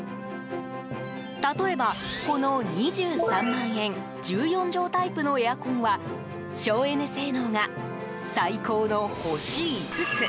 例えば、この２３万円１４畳タイプのエアコンは省エネ性能が、最高の星５つ。